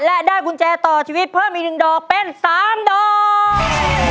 และได้กุญแจต่อชีวิตเพิ่มอีก๑ดอกเป็น๓ดอก